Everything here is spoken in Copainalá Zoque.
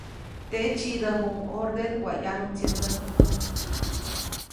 Teʼ tsiʼdäjuʼuŋ ʼorden waʼ ʼyanuntsyatsäjku tuj.